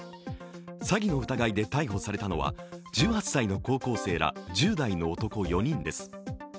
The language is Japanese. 詐欺の疑いで逮捕されたのは１８歳の高校生ら１０代の男４人です。